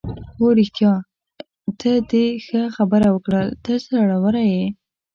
هو رښتیا، ته دې ښه خبره وکړل، ته زړوره یې.